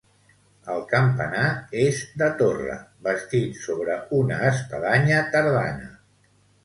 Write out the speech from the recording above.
El campanar és de torre, bastit sobre una espadanya tardana.